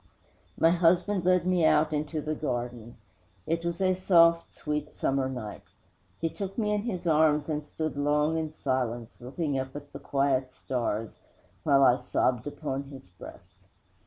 'My husband led me out into the garden. It was a soft, sweet, summer night. He took me in his arms and stood long in silence, looking up to the quiet stars, while I sobbed upon his breast.